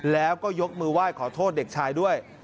แล้วก็ยกมือไหว้ขอโทษเด็กชายด้วย